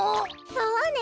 そうね